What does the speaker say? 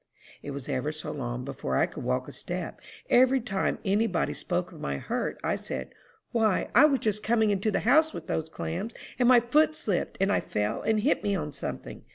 '" "It was ever so long before I could walk a step. Every time any body spoke of my hurt, I said, 'Why, I was just coming into the house with those clams, and my foot slipped, and I fell and hit me on something.